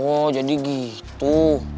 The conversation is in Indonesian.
oh jadi gitu